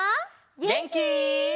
げんき？